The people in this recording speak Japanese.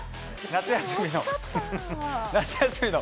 夏休みの。